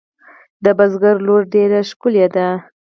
د بزگر لور ډېره ښکلې ده.